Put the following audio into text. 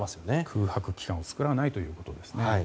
空白期間を作らないということですね。